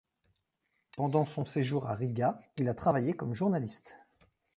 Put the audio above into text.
Pendant son séjour à Riga, il a travaillé comme journaliste.